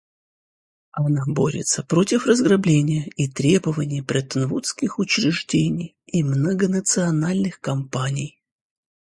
Она борется против разграбления и требований бреттон-вудских учреждений и многонациональных компаний.